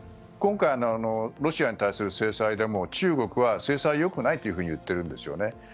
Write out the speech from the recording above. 今回、ロシアに対する制裁でも中国は制裁は良くないと言ってるんですよね。